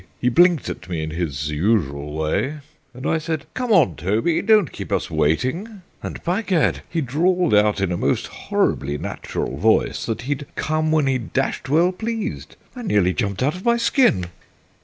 He blinked at me in his usual way, and I said, 'Come on, Toby; don't keep us waiting;' and, by Gad! he drawled out in a most horribly natural voice that he'd come when he dashed well pleased! I nearly jumped out of my skin!"